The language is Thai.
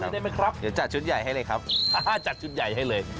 ได้ครับจัดชุดใหญ่ให้เลยครับฮ่าจัดชุดใหญ่ให้เลย